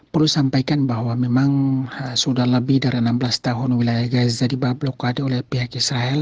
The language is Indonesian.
perlu sampaikan bahwa memang sudah lebih dari enam belas tahun wilayah gaza dibah blokade oleh pihak israel